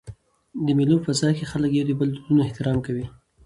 د مېلو په فضا کښي خلک د یو بل د دودونو احترام کوي.